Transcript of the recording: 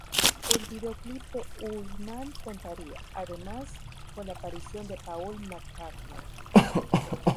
El videoclip de Ullman contaría, además, con la aparición de Paul McCartney.